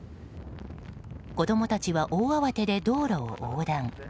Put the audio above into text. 子供たちは大慌てで道路を横断。